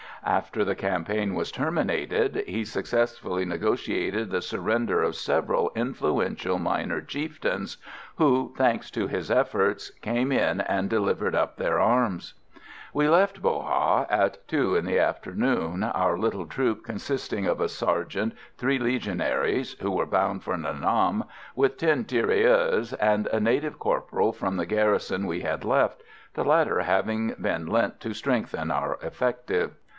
After the campaign was terminated he successfully negotiated the surrender of several influential minor chieftains, who, thanks to his efforts, came in and delivered up their arms. We left Bo Ha at two in the afternoon, our little troop consisting of a sergeant, three Legionaries, who were bound for Nha Nam, with ten tirailleurs and a native corporal from the garrison we had left, the latter having been lent to strengthen our effective.